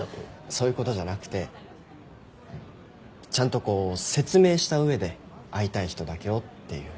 そういうことじゃなくてちゃんとこう説明した上で会いたい人だけをっていう。